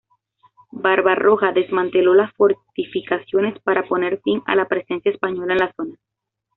Barbarroja desmanteló las fortificaciones para poner fin a la presencia española en la zona.